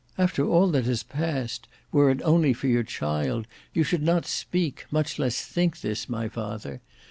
"After all that has passed, were it only for your child, you should not speak, much less think, this, my father.